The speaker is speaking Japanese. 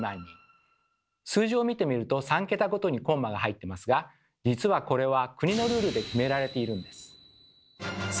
数字を見てみると３桁ごとにコンマが入ってますが実はこれは国のルールで決められているんです。